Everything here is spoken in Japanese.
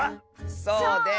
そうです！